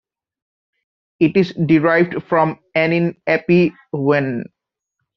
It is derived from "anin api" "when".